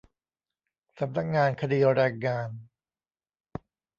สำนักงานคดีแรงงาน